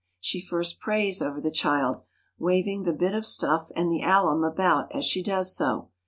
She first prays over the child, waving the bit of stuff and the alum about as she does so.